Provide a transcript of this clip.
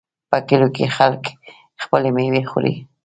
په کلیو کې خلک خپلې میوې خوري.